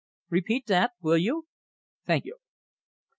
Repeat that, will you?... Thank you."